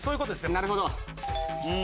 なるほど。